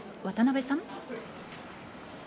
渡邊さん。